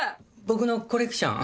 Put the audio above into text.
僕のコレクション。